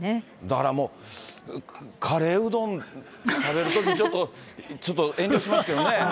だからもう、カレーうどん食べるとき、ちょっと、ちょっと、遠慮しますけどね。